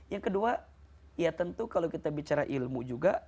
yang kedua ya tentu kalau kita bicara ilmu juga